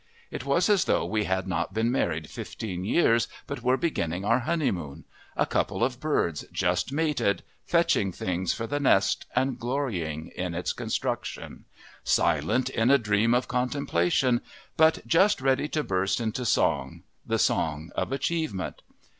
It was as though we had not been married fifteen years, but were beginning our honeymoon a couple of birds just mated, fetching things for the nest and glorying in its construction silent in a dream of contemplation, but just ready to burst into song, the song of achievement.